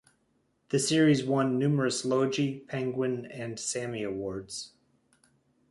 The series won numerous Logie, Penguin and Sammy Awards.